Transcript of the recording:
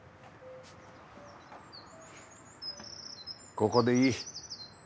ここでいい。